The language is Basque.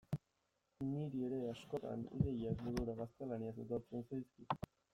Niri ere, askotan, ideiak burura gaztelaniaz etortzen zaizkit.